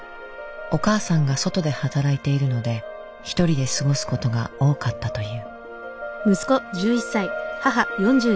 お母さんが外で働いているので１人で過ごす事が多かったという。